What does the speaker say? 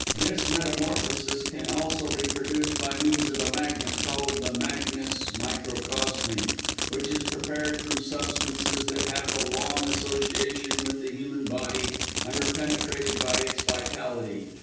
This metamorphosis can also be produced by means of a magnet called the 'magnes microcosmi,' which is prepared from substances that have had a long association with the human body, and are penetrated by its vitality.